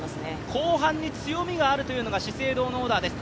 後半に強みがあるというのが資生堂のオーダーです。